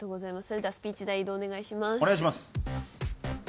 それではスピーチ台へ移動お願いします。